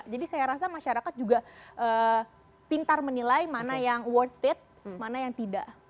saya rasa masyarakat juga pintar menilai mana yang worth it mana yang tidak